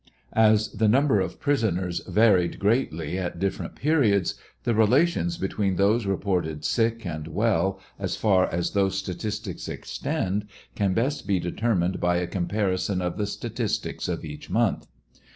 As the number of prisoners varied greatly at different periods, the relations between those reported sick and well, as far as those statis tics extend, can best be determined by a comparison of the statistics of each month.